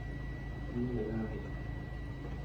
ni a gare.